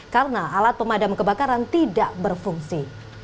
karena alat pemadam kebakaran tidak berfungsi